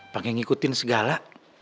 pake ngikutin segala